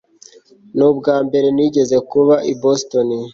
ni ubwambere nigeze kuba i boston